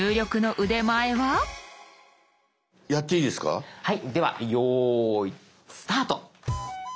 ではよいスタート。